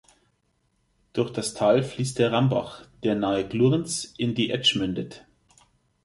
Durch das Tal fließt der Rambach, der nahe Glurns in die Etsch mündet.